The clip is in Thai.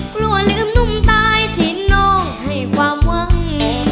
กลัวลืมนุ่มตายที่น้องให้ความหวัง